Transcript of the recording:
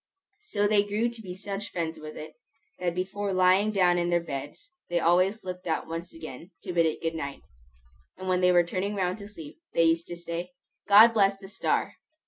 So they grew to be such friends with it, that before lying down in their beds, they always looked out once again, to bid it good night; and when they were turning round to sleep, they used to say, "God bless the star!"